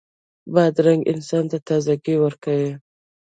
بادرنګ انسان ته تازهګۍ ورکوي.